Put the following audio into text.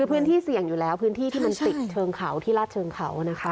คือพื้นที่เสี่ยงอยู่แล้วพื้นที่ที่มันติดเชิงเขาที่ลาดเชิงเขานะคะ